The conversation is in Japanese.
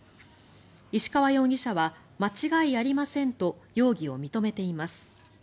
石川容疑者は間違いありませんと容疑を認めています。